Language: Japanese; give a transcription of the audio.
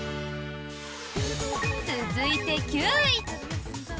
続いて、９位。